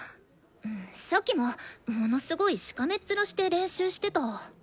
さっきもものすごいしかめっ面して練習してた。